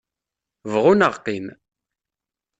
Bɣu neɣ qim.